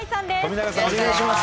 お願いします。